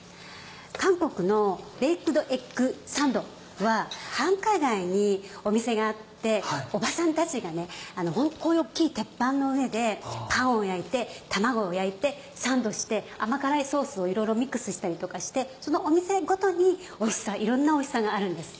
韓国のベイクドエッグサンドは繁華街にお店があっておばさんたちがこういう大っきい鉄板の上でパンを焼いて卵を焼いてサンドして甘辛いソースをいろいろミックスしたりとかしてそのお店ごとにいろんなおいしさがあるんです。